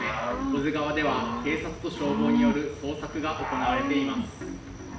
小瀬川では警察と消防による捜索が行われています。